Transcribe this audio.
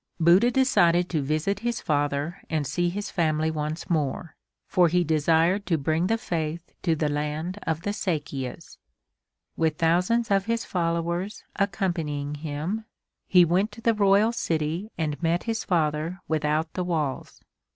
Buddha decided to visit his father and see his family once more, for he desired to bring the faith to the land of the Sakyas. With thousands of his followers accompanying him he went to the royal city and met his father without the walls.